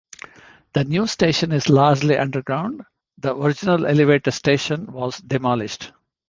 The new station is largely underground; the original elevated station was demolished.